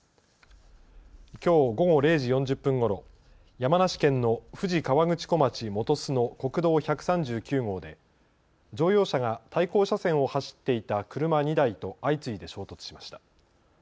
きょう午後０時４０分ごろ、山梨県の富士河口湖町本栖の国道１３９号で乗用車が対抗車線を走っていた車２台と相次いで衝突しました。